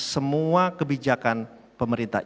semua kebijakan pemerintah